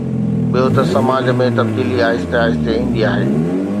ٻيو ته سماج ۾ تبديلي آهستي آهستي ايندي آهي.